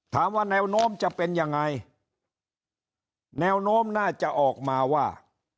ถามว่าแนวโน้มจะเป็นยังไงแนวโน้มน่าจะออกมาว่า